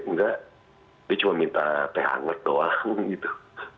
enggak dia cuma minta teh hangat doang gitu